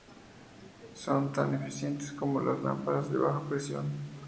Son tan eficientes como las lámparas de baja presión.